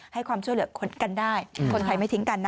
ให้ความเจ้าเหลือกค้นกันได้คนใครไม่ทิ้งกันนะ